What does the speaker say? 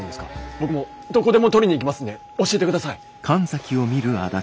僕もうどこでも取りに行きますんで教えてください！